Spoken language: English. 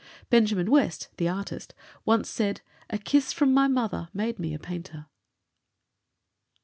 Benjamin West, the artist, once said: "A kiss from my mother made me a painter."